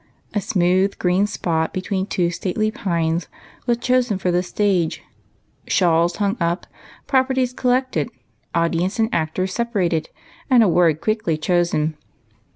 A smooth, green spot between two stately pines was chosen for the stage ; shawls hung up, properties collected, audience and actors separated, and a word quickly chosen.